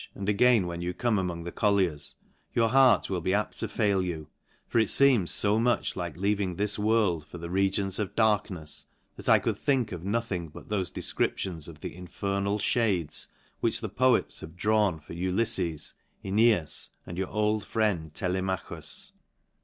and again when you come among the colliers, your heart will be apt to fail you ; for it feems fo much like leaving this world for the reigions of darknefs, that I could think of nothing but thofe defcriptions of the infernal fhades which the poets have drawn for Ulyffes^ Mneas^ and your old friend Telemachus..